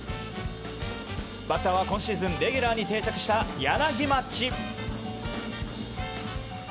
バッターは今シーズンレギュラーに定着した柳町。